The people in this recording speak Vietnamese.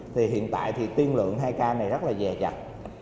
thì hiện tại thì tiên lượng hai ca này rất là dè dặt